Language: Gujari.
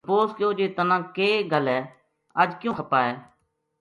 تپوس کیو جی تنا کے ول ہے اَج کیوں خپا ہے